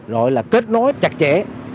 rồi là kết nối chặt chẽ